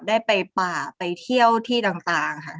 ได้ไปป่าไปเที่ยวที่ต่างค่ะ